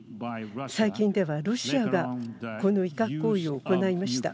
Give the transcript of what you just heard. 最近ではロシアがこの威嚇行為を行いました。